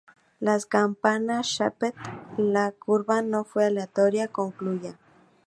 La campana-shaped la curva no fue aleatoria, concluya.